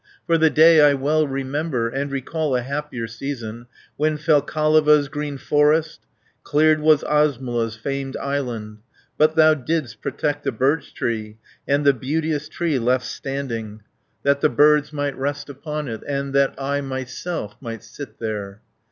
For the day I well remember, And recall a happier season, When fell Kaleva's green forest, Cleared was Osmola's famed island, But thou didst protect the birch tree, And the beauteous tree left'st standing, 100 That the birds might rest upon it, And that I myself might sit there."